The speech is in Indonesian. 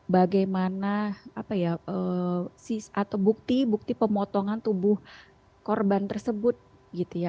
bagaimana apa ya atau bukti bukti pemotongan tubuh korban tersebut gitu ya